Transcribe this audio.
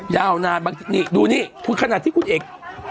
ยาวนานดูนี่คุณขนาดที่คุณเอก